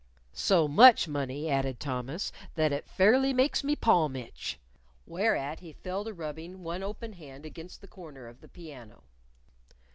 "So much money," added Thomas, "that it fairly makes me palm itch." Whereat he fell to rubbing one open hand against a corner of the piano.